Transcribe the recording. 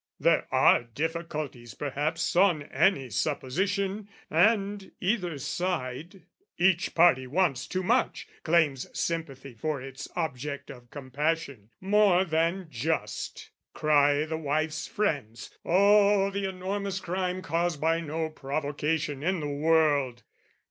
There are difficulties perhaps On any supposition, and either side. Each party wants too much, claims sympathy For its object of compassion, more than just. Cry the wife's friends, "O the enormous crime "Caused by no provocation in the world!"